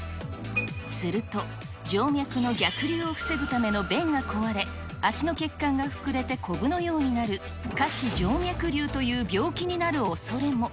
すると、静脈の逆流を防ぐための弁が壊れ、足の血管が膨れてこぶのようになる、下肢静脈瘤という病気になるおそれも。